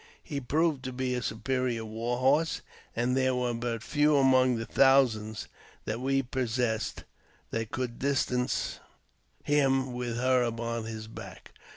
He proved to be a superior war horse, and there were but few among the thousands that we possessed that could distance him with her upon his back.